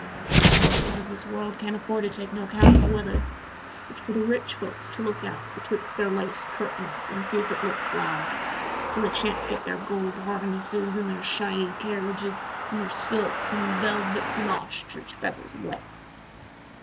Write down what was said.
"The workers of this world can't afford to take no account of weather. It's for the rich folks to look out betwixt their lace curtains and see if it looks lowery, so they sha'n't git their gold harnesses and their shiny carriages, an' their silks an' velvets an' ostrich feathers wet.